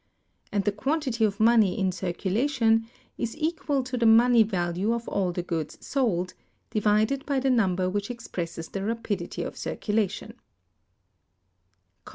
And the quantity of money in circulation is equal to the money value of all the goods sold, divided by the number which expresses the rapidity of circulation.